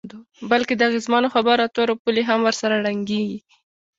بلکې د اغیزمنو خبرو اترو پولې هم ورسره ړنګیږي.